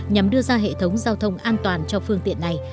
nhằm đưa ra hệ thống giao thông an toàn cho phương tiện này